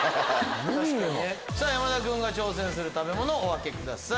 さぁ山田君が挑戦する食べ物お開けください。